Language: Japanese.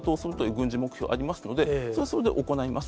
軍事目標がありますので、それはそれで行います。